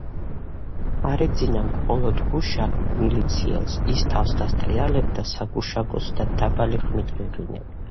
არ ეძინა მხოლოდ გუშაგ მილიციელს, ის თავს დასტრიალებდა საგუშაგოს და დაბალი ხმით ღიღინებდა